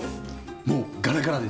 もうガラガラです。